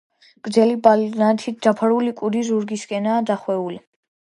გრძელი ბალნით დაფარული კუდი ზურგისკენაა დახვეული.